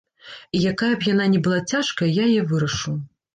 І якая б яна ні была цяжкая, я яе вырашу.